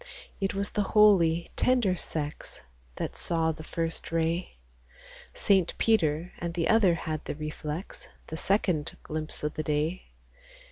It was the holy, tender sex That saw the first ray : Saint Peter and the other had the reflex, The second glimpse o' th' day.